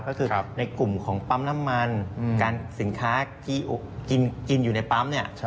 ก็คือในกลุ่มบันดาลีน้ำมันการสินค้ากินอยู่ในปั๊ม